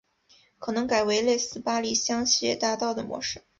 可能改为类似巴黎香榭大道的模式